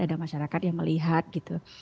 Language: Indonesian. ada masyarakat yang melihat gitu